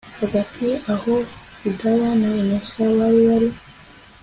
Hagati aho Hidaya na innocent bari bari